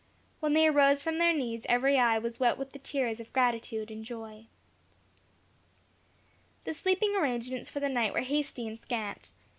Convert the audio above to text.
When they arose from their knees, every eye was wet with the tears of gratitude and joy. The sleeping arrangements for the night were hasty and scant.